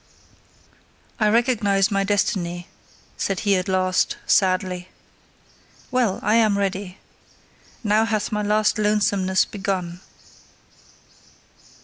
I recognise my destiny, said he at last, sadly. Well! I am ready. Now hath my last lonesomeness begun.